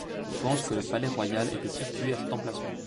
On pense que le palais royal était situé à cet emplacement.